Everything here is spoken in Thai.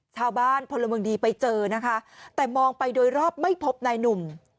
พลเมืองดีไปเจอนะคะแต่มองไปโดยรอบไม่พบนายหนุ่ม